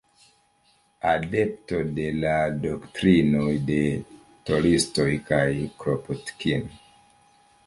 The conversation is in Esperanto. Adepto de la doktrinoj de Tolstoj kaj Kropotkin.